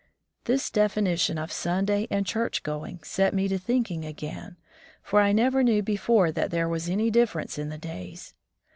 This definition of Sunday and church going set me to thinking again, for I never knew before that there was any difference in the days.